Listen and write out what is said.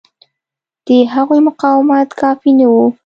د هغوی مقاومت کافي نه و.